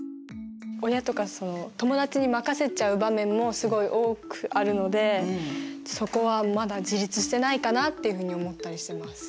親とかその友達に任せちゃう場面もすごい多くあるのでそこはまだ自立してないかなっていうふうに思ったりしてます。